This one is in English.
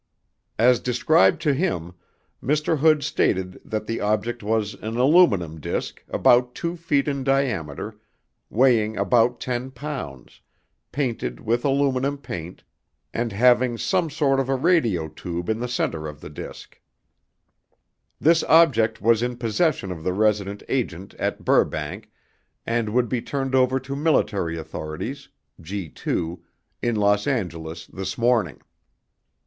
As described to him, Mr. Hood stated that the object was an aluminum disc about 2' in diameter weighing about ten pounds, painted with aluminum paint and having some sort of a radio tube in the center of the disc. This object was in possession of the resident agent at Burbank and would be turned over to military authorities (G 2) in Los Angeles this morning.